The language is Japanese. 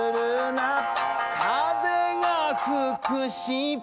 「風が吹くし」